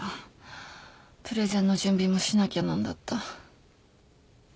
プレゼンの準備もしなきゃなんだった。